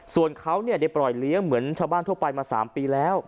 ส่วนเขาได้ปล่อยเลี้ยงเหมือนชาวบ้านทั่วไปมา๓ปีแล้ว